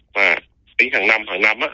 và tính hàng năm hàng năm á